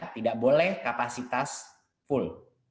tidak boleh kapasitas full